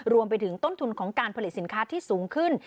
รวมไปถึงต้นทุนของการผลิตสินค้าที่สูงขึ้น